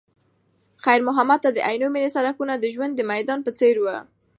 خیر محمد ته د عینومېنې سړکونه د ژوند د میدان په څېر وو.